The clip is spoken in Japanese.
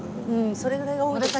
それぐらいが多いですね。